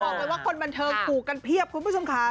บอกเลยว่าคนบันเทิงถูกกันเพียบคุณผู้ชมค่ะ